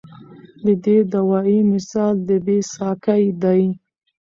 د دې دوائي مثال د بې ساکۍ دے